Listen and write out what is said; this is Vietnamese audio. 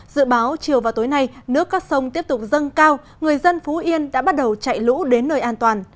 dự báo chiều vào tối nay nước các sông tiếp tục dâng cao người dân phú yên đã bắt đầu chạy lũ đến nơi an toàn